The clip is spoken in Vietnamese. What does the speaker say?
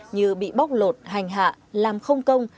như bị bóc lột hành hạ làm không công